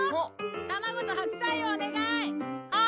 卵と白菜をお願い！